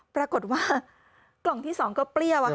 ปรากฏว่ากล่องที่๒ก็เปรี้ยว